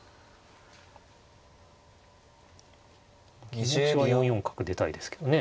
気持ちは４四角出たいですけどね。